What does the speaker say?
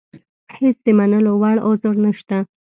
هېڅ د منلو وړ عذر نشته.